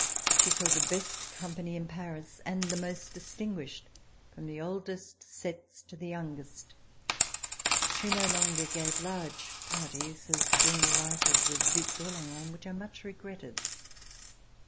She saw the best company in Paris and the most distinguished, from the oldest sets to the youngest. She no longer gave large parties, as during the life of the Due d'Orleans, which I much regretted.